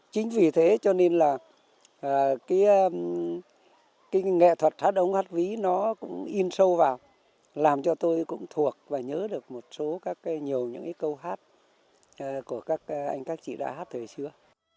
chính vì thế cho nên là cái nghệ thuật hát đồng hát ví nó cũng in sâu vào làm cho tôi cũng thuộc và nhớ được một số nhiều những cái câu hát của các anh các chị đã hát thời xưa